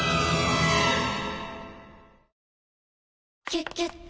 「キュキュット」